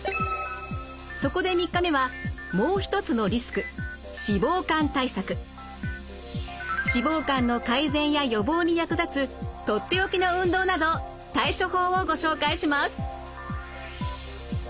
そこで３日目は脂肪肝の改善や予防に役立つとっておきの運動など対処法をご紹介します。